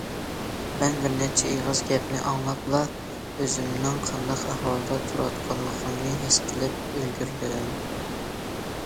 مەن بىر نەچچە ئېغىز گەپنى ئاڭلاپلا ئۆزۈمنىڭ قانداق ئەھۋالدا تۇرۇۋاتقانلىقىمنى ھېس قىلىپ ئۈلگۈردۈم.